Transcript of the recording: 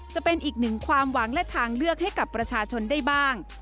จะเป็นอีกหนึ่งความหวังและทางเลือกให้กับประชาชนได้บ้าง